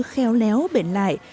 kheo léo bền lại